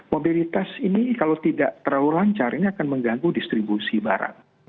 mobilitas ini kalau tidak terlalu lancar ini akan mengganggu distribusi barang